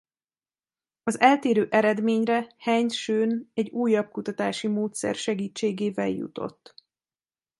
Az eltérő eredményre Heinz Schön egy újabb kutatási módszer segítségével jutott.